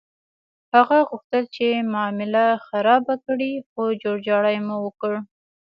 هغه غوښتل چې معامله خرابه کړي، خو جوړجاړی مو وکړ.